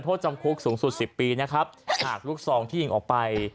โทษจำคุกสูงสุดสิบปีนะครับหากลูกซองที่ยิงออกไป